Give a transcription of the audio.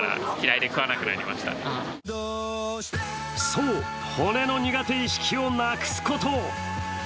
そう、骨の苦手意識をなくすこと。